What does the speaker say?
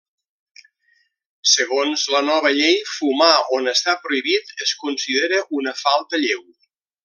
Segons la nova llei fumar on està prohibit es considera una falta lleu.